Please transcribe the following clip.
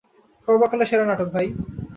সর্বকালের সেরা নাটক, ভাই।